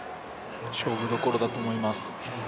勝負どころだと思います。